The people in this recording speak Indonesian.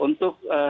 ya untuk